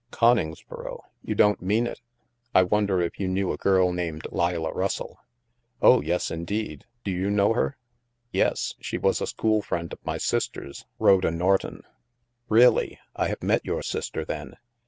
" Coningsboro ? You don't mean it ! I wonder if you knew a girl named Leila Russell? ''" Oh, yes, indeed. Do you know her? *'" Yes. She was a school friend of my sister's, Rhoda Norton." "Really? I have met your sister then."